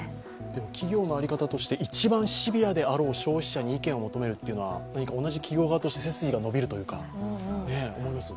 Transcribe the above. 企業の在り方として、一番シビアであろう消費者の意見を求めるって同じ企業側として背筋が伸びますね。